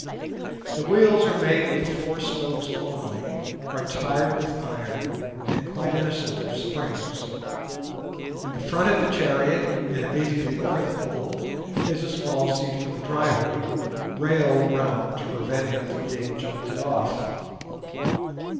The wheels are made with four spokes only, are tired with iron, and quite innocent of springs. In the front of the chariot, and immediately over the pole, is a small seat for the driver, railed round to prevent him from being jolted off.